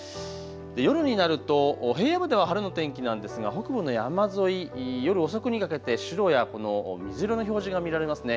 夜になると平野部では晴れの天気なんですが北部の山沿い、夜遅くにかけて白やこの水色の表示が見られますね。